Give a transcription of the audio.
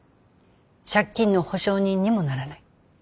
借金の保証人にもならない。